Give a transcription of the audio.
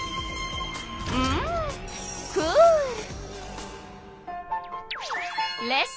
うんクール！